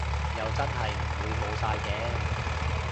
又真係唔會冇晒嘅